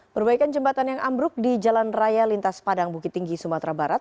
perbaikan jembatan yang ambruk di jalan raya lintas padang bukit tinggi sumatera barat